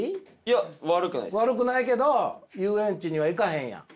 悪くないけど遊園地には行かへんやん。